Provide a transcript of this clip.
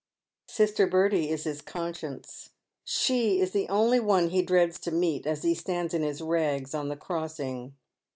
Sister Bertie is his conscience. She is the only one he dreads to meet as he stands in his rags on the crossing.